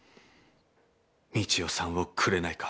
三千代さんをくれないか」。